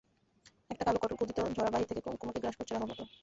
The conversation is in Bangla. একটা কালো কঠোর ক্ষুধিত জরা বাহির থেকে কুমুকে গ্রাস করছে রাহুর মতো।